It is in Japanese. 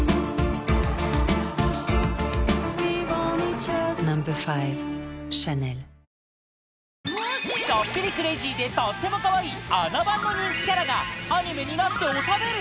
ちょっぴりクレイジーでとってもかわいい『あな番』の人気キャラがアニメになっておしゃべり⁉